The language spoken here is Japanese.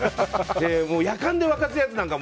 やかんで沸かすやつなんか